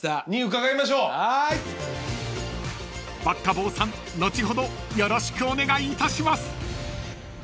［爆香房さん後ほどよろしくお願いいたします］